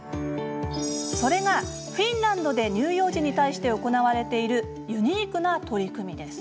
それが、フィンランドで乳幼児に対して行われているユニークな取り組みです。